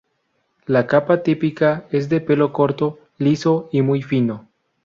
La capa típica es de pelo corto, liso y muy fino.